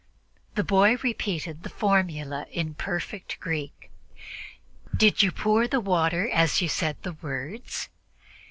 The boy repeated the formula in perfect Greek. "Did you pour the water as you said the words?"